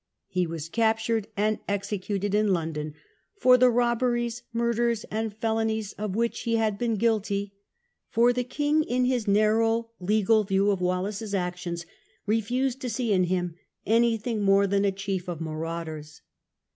He was captured, and executed in London, "for the robberies, murders, and felonies of which he had been guilty ", for the king, in his narrow legal view of Wallace's actions, refused to see in him anything more than a chief of marauders.